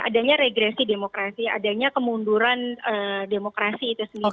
adanya regresi demokrasi adanya kemunduran demokrasi itu sendiri